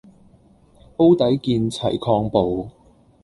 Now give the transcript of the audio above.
煲底見齊抗暴